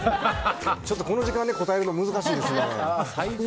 ちょっとこの時間で答えるの難しいですね。